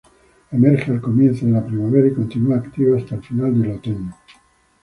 Emerge al comienzo de la primavera y continua activa hasta el final del otoño.